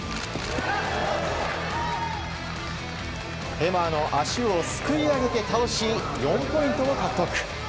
ヘマーの足をすくい上げて倒し４ポイントを獲得。